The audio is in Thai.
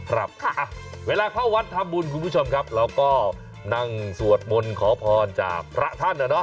ครับเวลาเข้าวัดทำบุญคุณผู้ชมครับเราก็นั่งสวดมนต์ขอพรจากพระท่านนะเนาะ